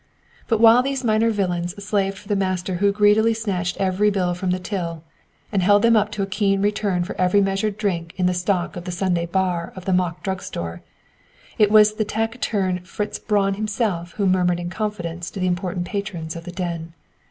But while these minor villains slaved for the master who greedily snatched every bill from the till, and held them up to a keen return for every measured drink in the stock of the Sunday "bar" of the mock drug store, it was the taciturn Fritz Braun himself who murmured in confidence to the important patrons of the den.